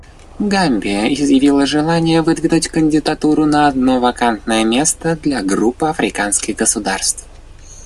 Гамбия изъявила желание выдвинуть кандидатуру на одно вакантное место для Группы африканских государств.